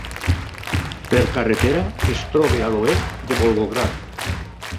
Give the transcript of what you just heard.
Per carretera es troba a l'oest de Volgograd.